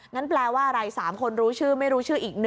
แปลว่าอะไร๓คนรู้ชื่อไม่รู้ชื่ออีก๑